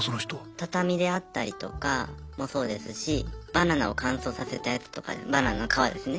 畳であったりとかもそうですしバナナを乾燥させたやつとかでバナナの皮ですね。